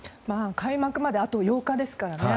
開幕まであと８日ですからね。